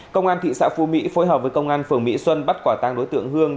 công an thị xã phú mỹ phối hợp với công an phường mỹ xuân bắt quả tang đối tượng hương